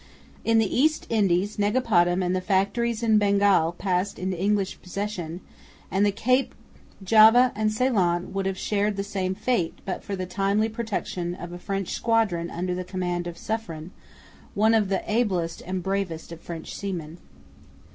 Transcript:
In the East Indies Negapatam and the factories in Bengal passed into English possession; and the Cape, Java and Ceylon would have shared the same fate, but for the timely protection of a French squadron under the command of Suffren, one of the ablest and bravest of French seamen.